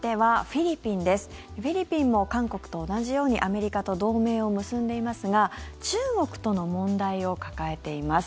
フィリピンも韓国と同じようにアメリカと同盟を結んでいますが中国との問題を抱えています。